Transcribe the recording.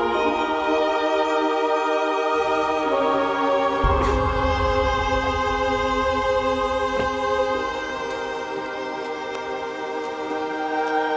rivikus wanita ini akan kutenangan diri best friend